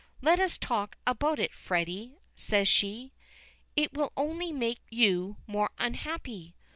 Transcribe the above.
"Let us talk about it, Freddy," says she. "It will only make you more unhappy."